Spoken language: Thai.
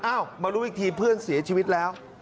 มารู้อีกทีเพื่อนเสียชีวิตแล้ว